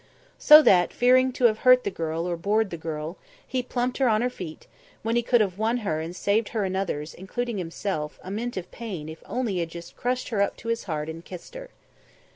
So that, fearing to have hurt the girl or bored the girl, he plumped her on her feet, when he could have won her and saved her and others, including himself, a mint of pain if he had only just crushed her up to his heart and kissed her.